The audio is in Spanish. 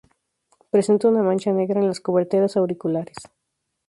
Presenta una mancha negra en las coberteras auriculares.